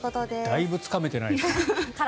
だいぶつかめてないです。